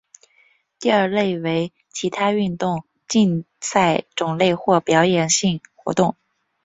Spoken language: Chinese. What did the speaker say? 第二类为其他运动竞赛种类或表演性活动。